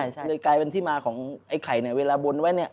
เลยกลายเป็นที่มาของไอ้ไข่เนี่ยเวลาบนไว้เนี่ย